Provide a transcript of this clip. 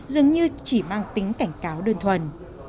dường như chỉ mang tính cảnh cáo đơn thuần